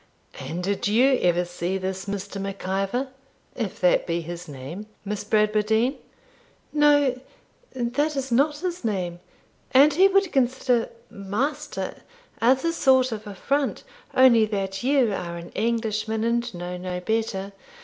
'And did you ever see this Mr. Mac Ivor, if that be his name, Miss Bradwardine?' 'No, that is not his name; and he would consider MASTER as a sort of affront, only that you are an Englishman, and know no better.